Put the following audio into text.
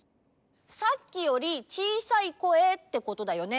さっきよりちいさい声ってことだよね。